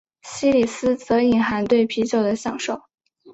西里斯则隐含对啤酒的享受。